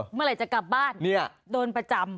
เมื่อไหร่จะกลับบ้านโดนประจำ